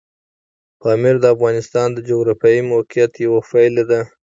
پامیر د افغانستان د جغرافیایي موقیعت یوه پایله ده.